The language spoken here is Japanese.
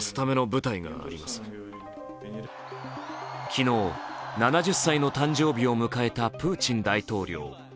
昨日７０歳の誕生日を迎えたプーチン大統領。